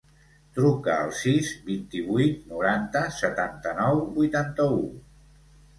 Truca al sis, vint-i-vuit, noranta, setanta-nou, vuitanta-u.